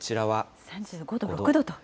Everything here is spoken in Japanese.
３５度、６度と。